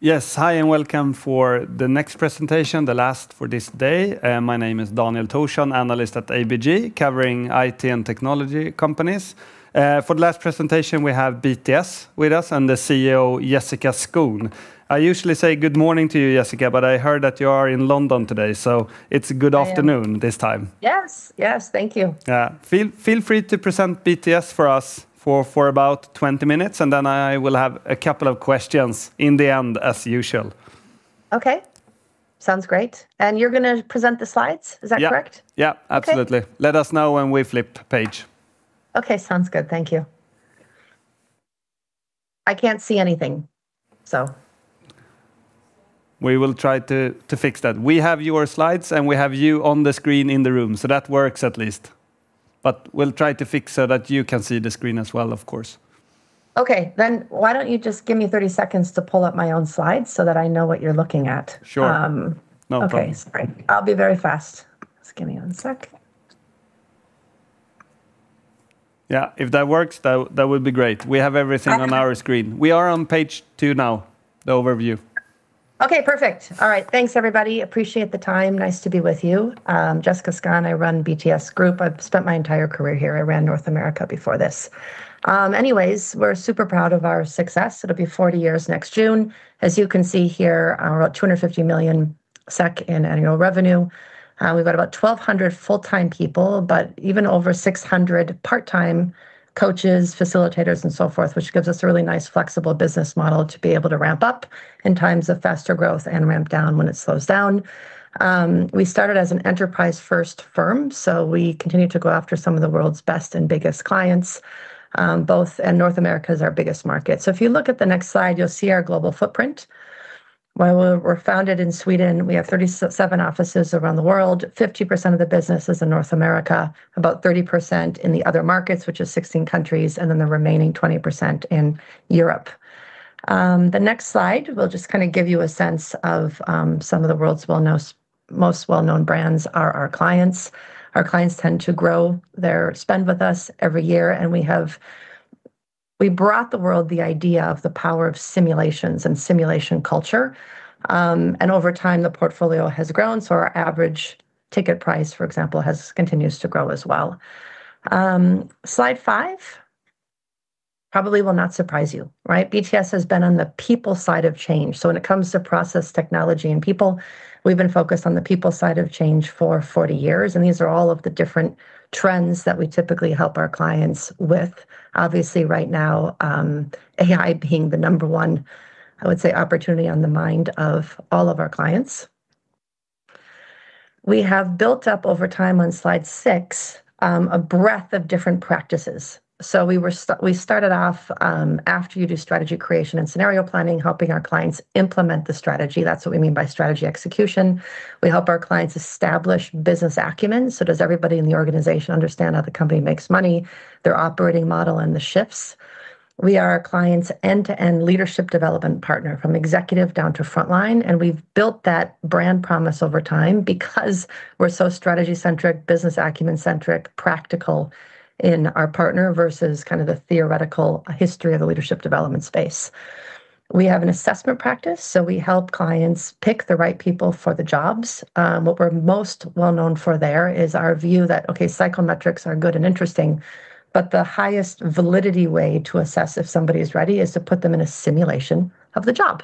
Yes, hi, and welcome for the next presentation, the last for this day. My name is Daniel Thorsson, analyst at ABG, covering IT and technology companies. For the last presentation, we have BTS with us and the CEO, Jessica Skon. I usually say good morning to you, Jessica, but I heard that you are in London today, so it's good afternoon this time. Yes, yes, thank you. Yeah, feel free to present BTS for us for about 20 minutes, and then I will have a couple of questions in the end, as usual. Okay, sounds great. And you're going to present the slides, is that correct? Yeah, absolutely. Let us know when we flip the page. Okay, sounds good, thank you. I can't see anything, so... We will try to fix that. We have your slides, and we have you on the screen in the room, so that works at least. But we'll try to fix so that you can see the screen as well, of course. Okay, then why don't you just give me 30 seconds to pull up my own slides so that I know what you're looking at? Sure. Okay, sorry. I'll be very fast. Just give me one sec. Yeah, if that works, that would be great. We have everything on our screen. We are on page two now, the overview. Okay, perfect. All right, thanks everybody. Appreciate the time. Nice to be with you. Jessica Skon, I run BTS Group. I've spent my entire career here. I ran North America before this. Anyways, we're super proud of our success. It'll be 40 years next June. As you can see here, about 250 million SEK in annual revenue. We've got about 1,200 full-time people, but even over 600 part-time coaches, facilitators, and so forth, which gives us a really nice flexible business model to be able to ramp up in times of faster growth and ramp down when it slows down. We started as an enterprise-first firm, so we continue to go after some of the world's best and biggest clients, both in North America as our biggest market. So if you look at the next slide, you'll see our global footprint. While we're founded in Sweden, we have 37 offices around the world. 50% of the business is in North America, about 30% in the other markets, which is 16 countries, and then the remaining 20% in Europe. The next slide will just kind of give you a sense of some of the world's most well-known brands are our clients. Our clients tend to grow their spend with us every year, and we brought the world the idea of the power of simulations and simulation culture. Over time, the portfolio has grown, so our average ticket price, for example, continues to grow as well. Slide five probably will not surprise you, right? BTS has been on the people side of change. So when it comes to process technology and people, we've been focused on the people side of change for 40 years, and these are all of the different trends that we typically help our clients with. Obviously, right now, AI being the number one, I would say, opportunity on the mind of all of our clients. We have built up over time on slide six a breadth of different practices. So we started off after you do strategy creation and scenario planning, helping our clients implement the strategy. That's what we mean by strategy execution. We help our clients establish business acumen. So does everybody in the organization understand how the company makes money, their operating model, and the shifts? We are a client's end-to-end leadership development partner from executive down to frontline, and we've built that brand promise over time because we're so strategy-centric, business acumen-centric, practical in our partnership versus kind of the theoretical history of the leadership development space. We have an assessment practice, so we help clients pick the right people for the jobs. What we're most well-known for there is our view that, okay, psychometrics are good and interesting, but the highest validity way to assess if somebody is ready is to put them in a simulation of the job.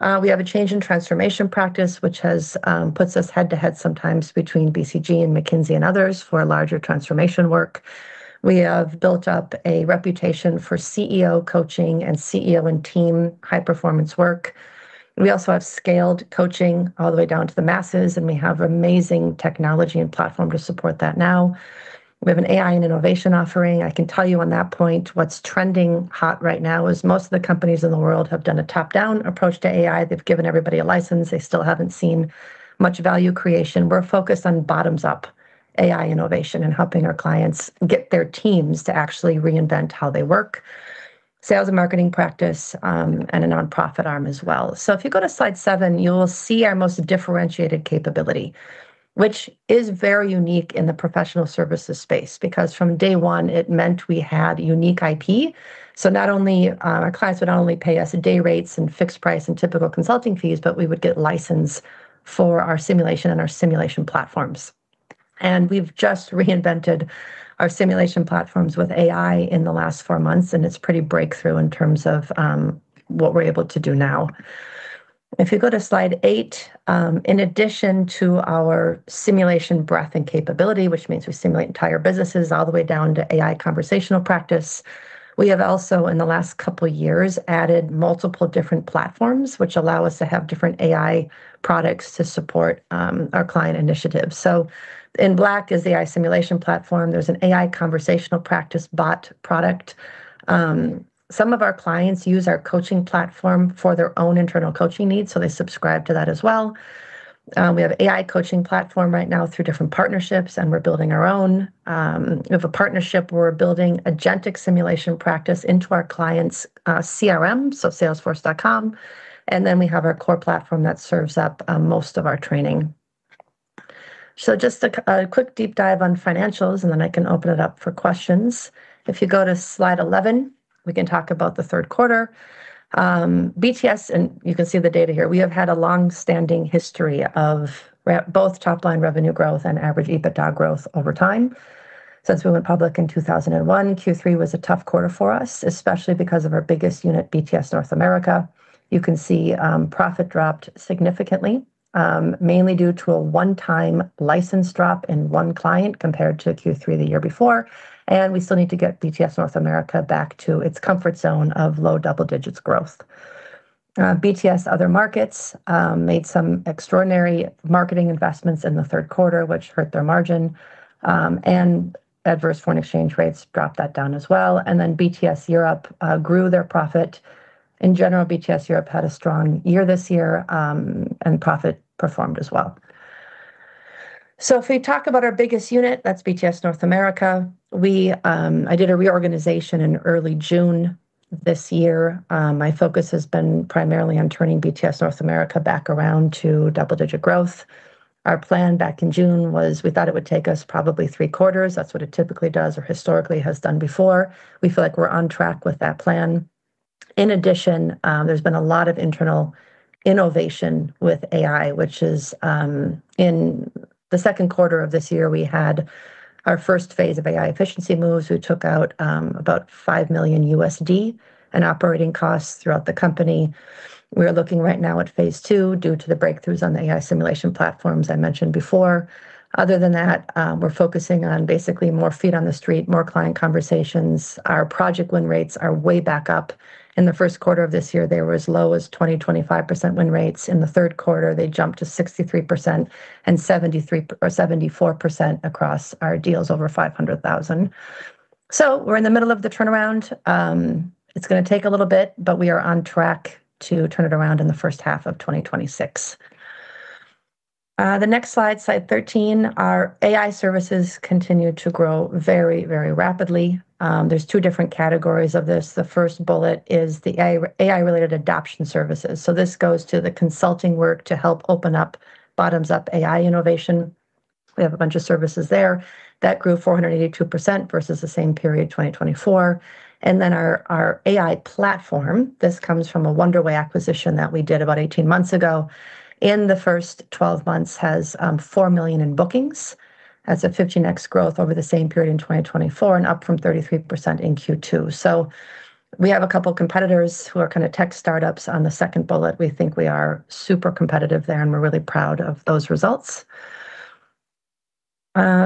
We have a change and transformation practice, which puts us head-to-head sometimes between BCG and McKinsey and others for larger transformation work. We have built up a reputation for CEO coaching and CEO and team high-performance work. We also have scaled coaching all the way down to the masses, and we have amazing technology and platform to support that now. We have an AI and innovation offering. I can tell you on that point, what's trending hot right now is most of the companies in the world have done a top-down approach to AI. They've given everybody a license. They still haven't seen much value creation. We're focused on bottoms-up AI innovation and helping our clients get their teams to actually reinvent how they work. Sales and marketing practice and a nonprofit arm as well. So if you go to slide seven, you'll see our most differentiated capability, which is very unique in the professional services space because from day one, it meant we had unique IP. Not only would our clients pay us day rates and fixed price and typical consulting fees, but we would get license for our simulation and our simulation platforms. We've just reinvented our simulation platforms with AI in the last four months, and it's pretty breakthrough in terms of what we're able to do now. If you go to slide eight, in addition to our simulation breadth and capability, which means we simulate entire businesses all the way down to AI conversational practice, we have also, in the last couple of years, added multiple different platforms, which allow us to have different AI products to support our client initiatives. In black is the AI simulation platform. There's an AI conversational practice bot product. Some of our clients use our coaching platform for their own internal coaching needs, so they subscribe to that as well. We have an AI coaching platform right now through different partnerships, and we're building our own. We have a partnership where we're building a genetic simulation practice into our client's CRM, so Salesforce. And then we have our core platform that serves up most of our training. So just a quick deep dive on financials, and then I can open it up for questions. If you go to slide 11, we can talk about the Q3. BTS, and you can see the data here, we have had a long-standing history of both top-line revenue growth and average EBITDA growth over time. Since we went public in 2001, Q3 was a tough quarter for us, especially because of our biggest unit, BTS North America. You can see profit dropped significantly, mainly due to a one-time license drop in one client compared to Q3 the year before. We still need to get BTS North America back to its comfort zone of low double-digit growth. BTS Other Markets made some extraordinary marketing investments in the Q3, which hurt their margin, and adverse foreign exchange rates dropped that down as well. BTS Europe grew their profit. In general, BTS Europe had a strong year this year, and profit performed as well. If we talk about our biggest unit, that's BTS North America, I did a reorganization in early June this year. My focus has been primarily on turning BTS North America back around to double-digit growth. Our plan back in June was we thought it would take us probably three quarters. That's what it typically does or historically has done before. We feel like we're on track with that plan. In addition, there's been a lot of internal innovation with AI, which, in the Q2 of this year, we had our first phase of AI efficiency moves. We took out about $5 million in operating costs throughout the company. We're looking right now at phase two due to the breakthroughs on the AI simulation platforms I mentioned before. Other than that, we're focusing on basically more feet on the street, more client conversations. Our project win rates are way back up. In the Q1 of this year, there were as low as 20-25% win rates. In the Q3, they jumped to 63% and 74% across our deals over 500,000. So we're in the middle of the turnaround. It's going to take a little bit, but we are on track to turn it around in the first half of 2026. The next slide, slide 13, our AI services continue to grow very, very rapidly. There's two different categories of this. The first bullet is the AI-related adoption services, so this goes to the consulting work to help open up bottoms-up AI innovation. We have a bunch of services there that grew 482% versus the same period, 2024, and then our AI platform, this comes from a Wonderway acquisition that we did about 18 months ago. In the first 12 months, it has 4 million in bookings. That's a 15x growth over the same period in 2024 and up from 33% in Q2, so we have a couple of competitors who are kind of tech startups on the second bullet. We think we are super competitive there, and we're really proud of those results.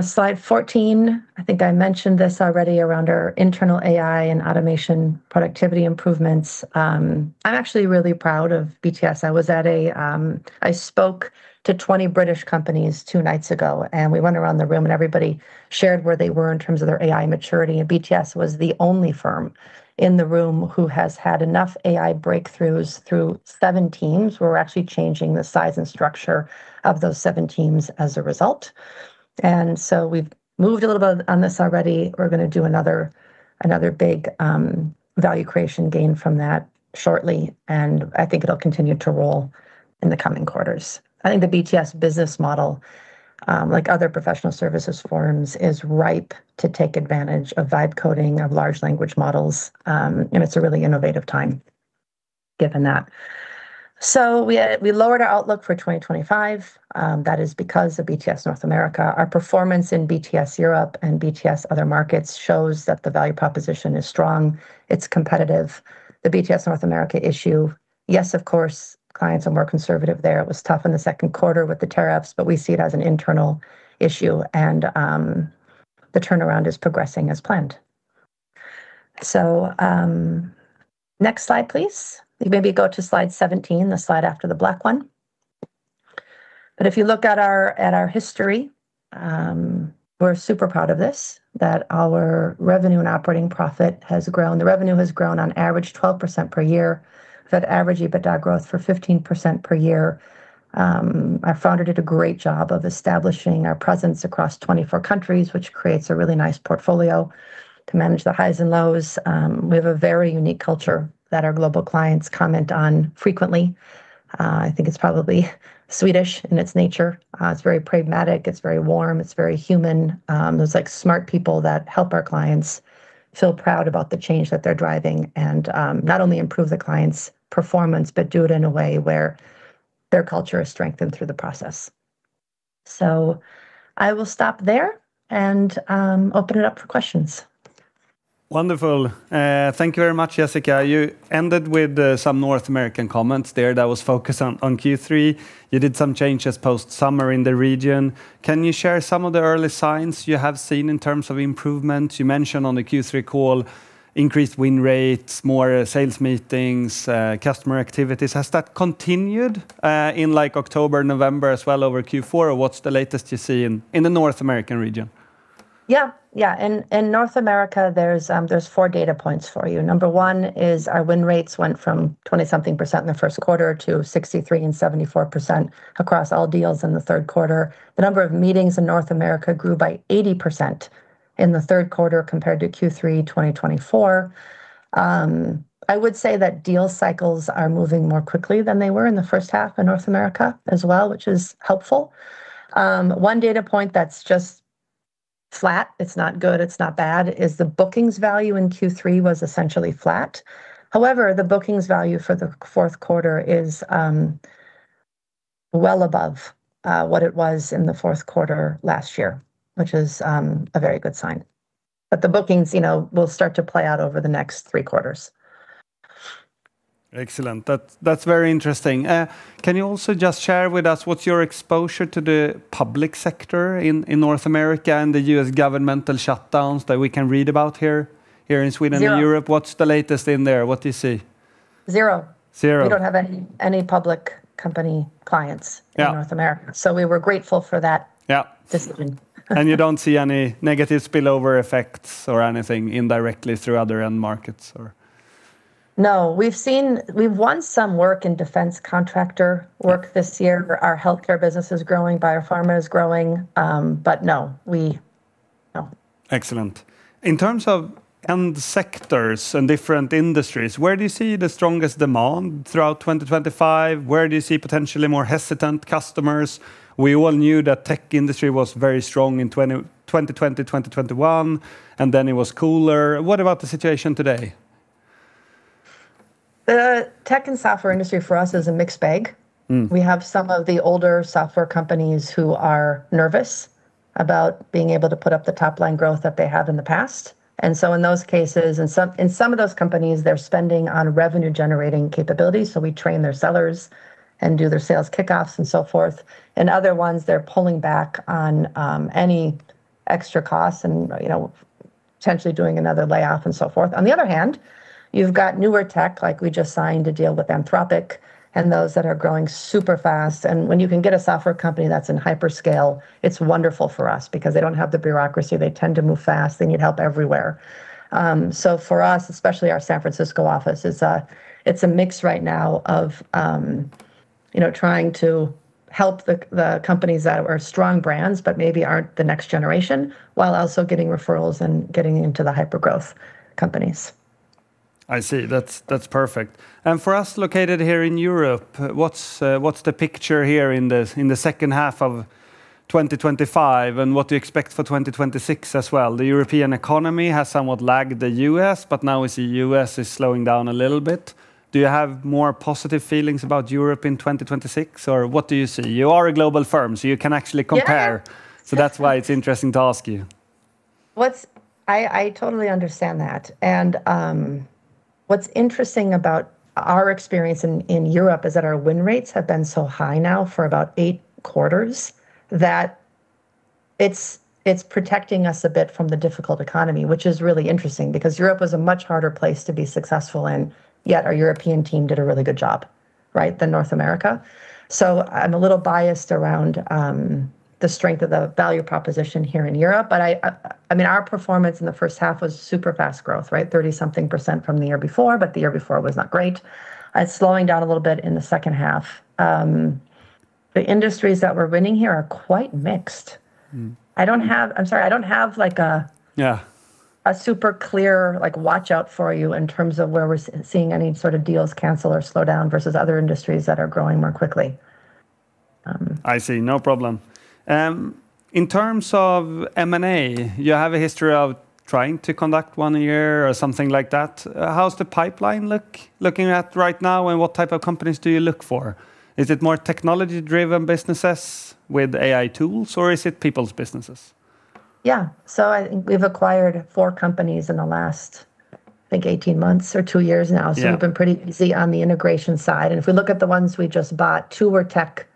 Slide 14, I think I mentioned this already around our internal AI and automation productivity improvements. I'm actually really proud of BTS. I spoke to 20 British companies two nights ago, and we went around the room, and everybody shared where they were in terms of their AI maturity, and BTS was the only firm in the room who has had enough AI breakthroughs through seven teams. We're actually changing the size and structure of those seven teams as a result, and so we've moved a little bit on this already. We're going to do another big value creation gain from that shortly, and I think it'll continue to roll in the coming quarters. I think the BTS business model, like other professional services firms, is ripe to take advantage of vibe coding of large language models, and it's a really innovative time given that, so we lowered our outlook for 2025. That is because of BTS North America. Our performance in BTS Europe and BTS Other Markets shows that the value proposition is strong. It's competitive. The BTS North America issue, yes, of course, clients are more conservative there. It was tough in the Q2 with the tariffs, but we see it as an internal issue, and the turnaround is progressing as planned. So next slide, please. You may go to slide 17, the slide after the black one. But if you look at our history, we're super proud of this, that our revenue and operating profit has grown. The revenue has grown on average 12% per year, that average EBITDA growth for 15% per year. Our founder did a great job of establishing our presence across 24 countries, which creates a really nice portfolio to manage the highs and lows. We have a very unique culture that our global clients comment on frequently. I think it's probably Swedish in its nature. It's very pragmatic. It's very warm. It's very human. There's like smart people that help our clients feel proud about the change that they're driving and not only improve the client's performance, but do it in a way where their culture is strengthened through the process. So I will stop there and open it up for questions. Wonderful. Thank you very much, Jessica. You ended with some North American comments there that was focused on Q3. You did some changes post-summer in the region. Can you share some of the early signs you have seen in terms of improvement? You mentioned on the Q3 call, increased win rates, more sales meetings, customer activities. Has that continued in like October, November as well over Q4, or what's the latest you see in the North American region? Yeah, yeah. In North America, there's four data points for you. Number one is our win rates went from 20-something% in the Q1 to 63% and 74% across all deals in the Q3. The number of meetings in North America grew by 80% in the Q3 compared to Q3 2024. I would say that deal cycles are moving more quickly than they were in the first half in North America as well, which is helpful. One data point that's just flat, it's not good, it's not bad, is the bookings value in Q3 was essentially flat. However, the bookings value for the Q4 is well above what it was in the Q4 last year, which is a very good sign. But the bookings will start to play out over the next three quarters. Excellent. That's very interesting. Can you also just share with us what's your exposure to the public sector in North America and the US governmental shutdowns that we can read about here in Sweden and Europe? What's the latest in there? What do you see? Zero. Zero. We don't have any public company clients in North America, so we were grateful for that decision. You don't see any negative spillover effects or anything indirectly through other end markets or? No, we've seen we've won some work in defense contractor work this year. Our healthcare business is growing, biopharma is growing, but no, we no. Excellent. In terms of end sectors and different industries, where do you see the strongest demand throughout 2025? Where do you see potentially more hesitant customers? We all knew that tech industry was very strong in 2020, 2021, and then it was cooler. What about the situation today? The tech and software industry for us is a mixed bag. We have some of the older software companies who are nervous about being able to put up the top-line growth that they have in the past. And so in those cases, in some of those companies, they're spending on revenue-generating capabilities. So we train their sellers and do their sales kickoffs and so forth. In other ones, they're pulling back on any extra costs and potentially doing another layoff and so forth. On the other hand, you've got newer tech, like we just signed a deal with Anthropic and those that are growing super fast. And when you can get a software company that's in hyperscale, it's wonderful for us because they don't have the bureaucracy. They tend to move fast. They need help everywhere. So for us, especially our San Francisco office, it's a mix right now of trying to help the companies that are strong brands, but maybe aren't the next generation, while also getting referrals and getting into the hyper-growth companies. I see. That's perfect. And for us located here in Europe, what's the picture here in the second half of 2025 and what do you expect for 2026 as well? The European economy has somewhat lagged the US, but now we see the US is slowing down a little bit. Do you have more positive feelings about Europe in 2026, or what do you see? You are a global firm, so you can actually compare. So that's why it's interesting to ask you. I totally understand that. And what's interesting about our experience in Europe is that our win rates have been so high now for about eight quarters that it's protecting us a bit from the difficult economy, which is really interesting because Europe was a much harder place to be successful in, yet our European team did a really good job than North America. So I'm a little biased around the strength of the value proposition here in Europe. But I mean, our performance in the first half was super fast growth, right? 30-something% from the year before, but the year before was not great. It's slowing down a little bit in the second half. The industries that we're winning here are quite mixed. I'm sorry, I don't have like a super clear watch out for you in terms of where we're seeing any sort of deals cancel or slow down versus other industries that are growing more quickly. I see. No problem. In terms of M&A, you have a history of trying to conduct one a year or something like that. How's the pipeline looking right now, and what type of companies do you look for? Is it more technology-driven businesses with AI tools, or is it people's businesses? Yeah, so I think we've acquired four companies in the last, I think, 18 months or two years now, so we've been pretty busy on the integration side, and if we look at the ones we just bought, two were tech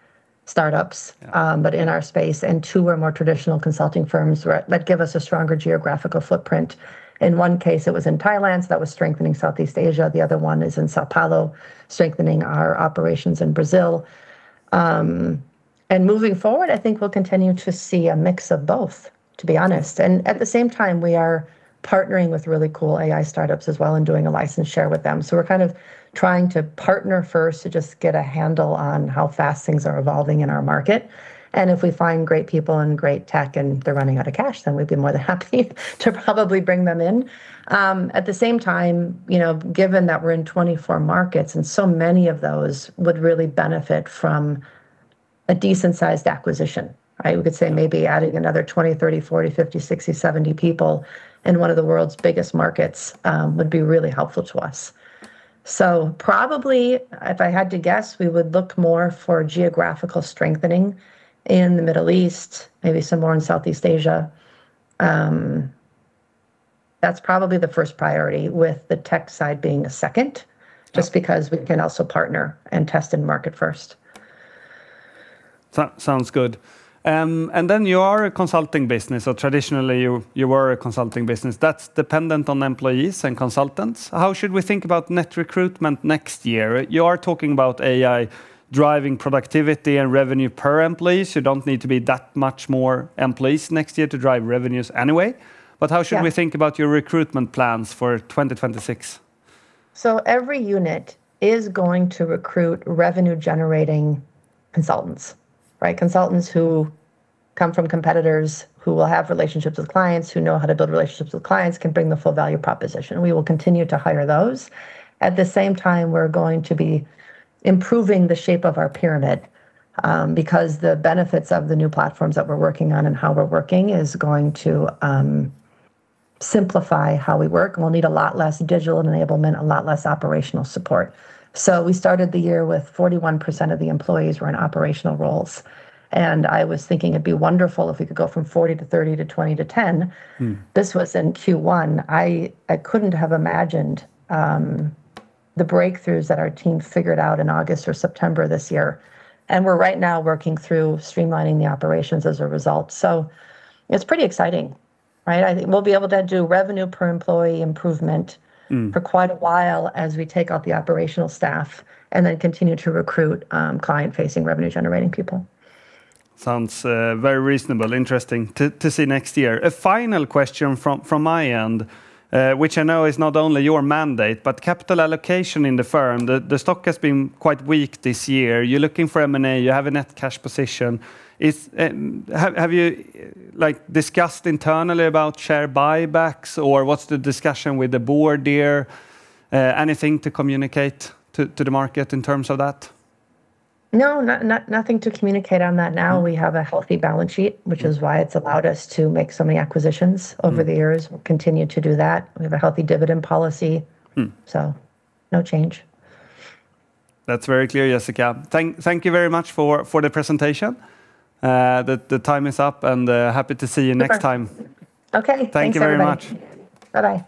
startups, but in our space, and two were more traditional consulting firms that give us a stronger geographical footprint. In one case, it was in Thailand. That was strengthening Southeast Asia. The other one is in São Paulo, strengthening our operations in Brazil, and moving forward, I think we'll continue to see a mix of both, to be honest, and at the same time, we are partnering with really cool AI startups as well and doing a license share with them, so we're kind of trying to partner first to just get a handle on how fast things are evolving in our market. And if we find great people and great tech and they're running out of cash, then we'd be more than happy to probably bring them in. At the same time, given that we're in 24 markets and so many of those would really benefit from a decent-sized acquisition, we could say maybe adding another 20, 30, 40, 50, 60, 70 people in one of the world's biggest markets would be really helpful to us. So probably if I had to guess, we would look more for geographical strengthening in the Middle East, maybe some more in Southeast Asia. That's probably the first priority with the tech side being a second, just because we can also partner and test and market first. Sounds good, and then you are a consulting business, or traditionally you were a consulting business. That's dependent on employees and consultants. How should we think about net recruitment next year? You are talking about AI driving productivity and revenue per employees. You don't need to be that much more employees next year to drive revenues anyway, but how should we think about your recruitment plans for 2026? So every unit is going to recruit revenue-generating consultants, consultants who come from competitors who will have relationships with clients, who know how to build relationships with clients, can bring the full value proposition. We will continue to hire those. At the same time, we're going to be improving the shape of our pyramid because the benefits of the new platforms that we're working on and how we're working is going to simplify how we work. We'll need a lot less digital enablement, a lot less operational support. So we started the year with 41% of the employees were in operational roles. And I was thinking it'd be wonderful if we could go from 40% to 30% to 20% to 10%. This was in Q1. I couldn't have imagined the breakthroughs that our team figured out in August or September this year. We're right now working through streamlining the operations as a result. It's pretty exciting. We'll be able to do revenue per employee improvement for quite a while as we take out the operational staff and then continue to recruit client-facing revenue-generating people. Sounds very reasonable. Interesting to see next year. A final question from my end, which I know is not only your mandate, but capital allocation in the firm. The stock has been quite weak this year. You're looking for M&A. You have a net cash position. Have you discussed internally about share buybacks or what's the discussion with the board there? Anything to communicate to the market in terms of that? No, nothing to communicate on that now. We have a healthy balance sheet, which is why it's allowed us to make so many acquisitions over the years. We'll continue to do that. We have a healthy dividend policy. So no change. That's very clear, Jessica. Thank you very much for the presentation. The time is up, and happy to see you next time. Okay. Thank you very much. Bye-bye.